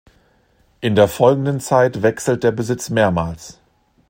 In der folgenden Zeit wechselt der Besitz mehrmals.